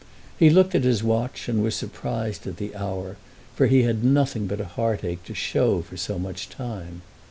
He looked at his watch and was surprised at the hour, for he had nothing but a heartache to show for so much time.